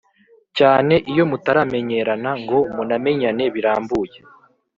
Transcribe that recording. cyane iyo mutaramenyerana ngo munamenyane birambuye.